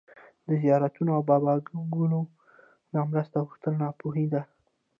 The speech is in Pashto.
د زيارتونو او باباګانو نه مرسته غوښتل ناپوهي ده